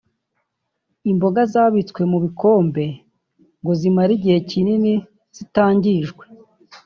imboga zabitswe mu bikombe ngo zimare igihe kinini zitangijwe);